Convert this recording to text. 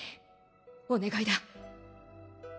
お願いだ